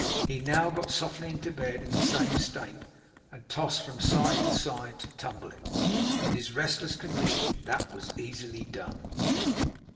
He now got softly into bed in the same state, and tossed from side to side to tumble it. In his restless condition that was easily done.